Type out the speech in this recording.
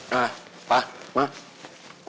nah pak mak